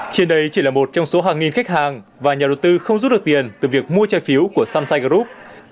trên đây chỉ là một trong số hàng nghìn khách hàng và nhà đầu tư không rút được tiền từ việc mua trái phiếu của sunshine group